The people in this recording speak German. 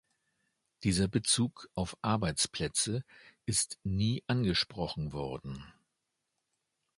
Dieser Bezug auf Arbeitsplätze ist nie angesprochen worden.